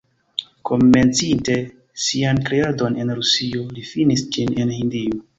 Komencinte sian kreadon en Rusio, li finis ĝin en Hindio.